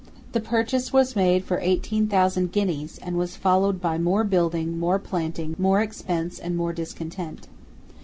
The purchase was made for eighteen thousand guineas, and was followed by more building, more planting, more expense, and more discontent.